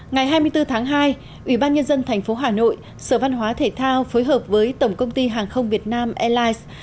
ngày hai mươi bốn tháng hai ủy ban nhân dân tp hà nội sở văn hóa thể thao phối hợp với tổng công ty hàng không việt nam airlines